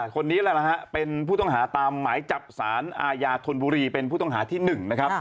คนนี้เป็นผู้ต้องหาตามหมายจับศาลอาญาธนบุรีเป็นผู้ต้องหาที่หนึ่งนะครับ